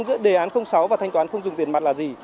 giữa đề án sáu và thanh toán không dùng tiền mặt là gì